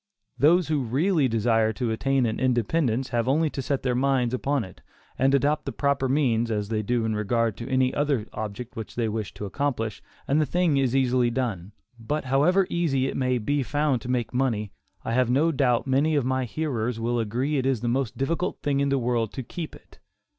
Those who really desire to attain an independence, have only to set their minds upon it, and adopt the proper means, as they do in regard to any other object which they wish to accomplish, and the thing is easily done. But however easy it may be found to make money, I have no doubt many of my hearers will agree it is the most difficult thing in the world to keep it.